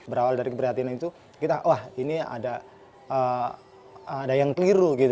berawal dari keprihatinan itu kita wah ini ada yang keliru gitu